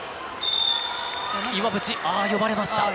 岩渕、呼ばれました。